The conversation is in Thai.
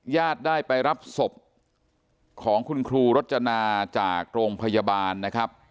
ญาติได้ไปรับศพของคุณครูรจนาจากโรงพยาบาลนะครับ